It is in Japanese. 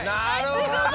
すごい！